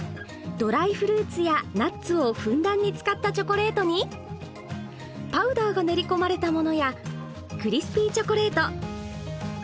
ドライフルーツやナッツをふんだんに使ったチョコレートにパウダーが練りこまれたものやクリスピーチョコレート。